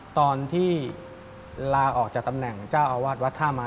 ตอนที่ลาออกจากตำแหน่งเจ้าอาวาสวัดท่าไม้